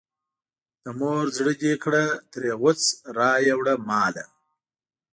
د مور زړه دې کړه ترې غوڅ رایې وړه ماله.